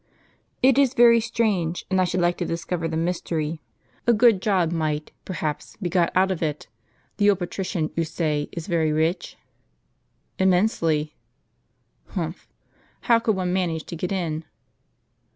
"It is very strange ; and I should like to discover the mystery. A good job might, perhaps, be got out of it. The old patrician, you say, is very rich ?"" Immensely !" "Humph ! How could one manage to get in